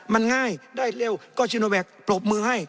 มันง่ายได้เร็วก็ชิโนแวคปรบมือให้